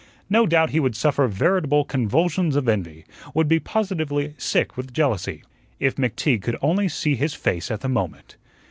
No doubt he would suffer veritable convulsions of envy; would be positively sick with jealousy. If McTeague could only see his face at the moment!